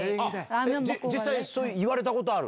実際、それ、言われたことある？